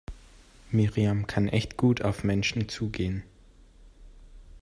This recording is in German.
Miriam kann echt gut auf Menschen zugehen.